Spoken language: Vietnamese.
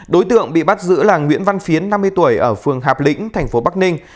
đối tượng bị bắt giữ là nguyễn văn phiến năm mươi tuổi ở phường hạp lĩnh tp bắc ninh